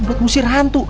buat ngusir hantu